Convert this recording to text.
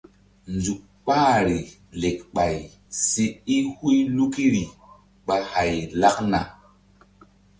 Nzuk kpahri lekɓay si i huy lukiri ɓa hay lakna.